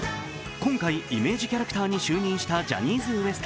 今回イメージキャラクターに就任したジャニーズＷＥＳＴ。